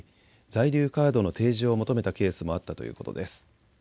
在留カードの提示を求めたケースもあったということです。